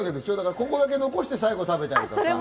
ここだけ残して、最後食べたりとか。